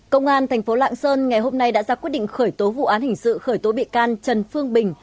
công an thành phố lạng sơn ngày hôm nay đã ra quyết định khởi tố vụ án hình sự khởi tố bị can trần phương bình